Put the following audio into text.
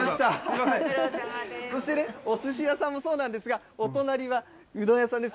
そして、おすし屋さんもそうなんですが、お隣はうどん屋さんです。